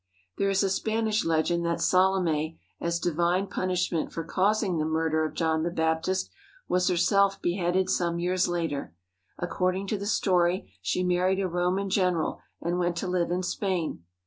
There is a Spanish legend that Salome, as divine pun ishment for causing the murder of John the Baptist, was herself beheaded some years later. According to the story, she married a Roman general and went to live in Spain.